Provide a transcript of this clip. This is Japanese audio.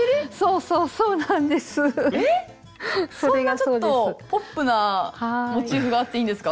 そんなちょっとポップなモチーフがあっていいんですか？